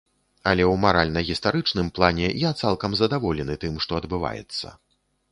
Але ў маральна-гістарычным плане я цалкам задаволены тым, што адбываецца.